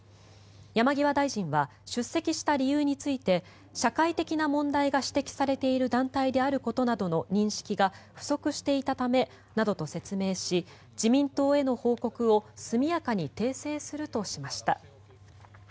山際大臣は出席した理由について社会的な問題が指摘されている団体であることなどの認識が不足していたためなどと説明し自民党への報告を速やかに訂正するとしました。